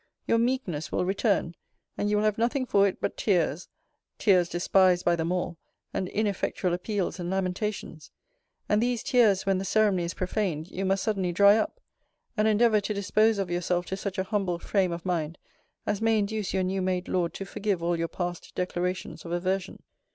Your meekness will return; and you will have nothing for it but tears [tears despised by them all] and ineffectual appeals and lamentations: and these tears when the ceremony is profaned, you must suddenly dry up; and endeavour to dispose of yourself to such a humble frame of mind, as may induce your new made lord to forgive all your past declarations of aversion.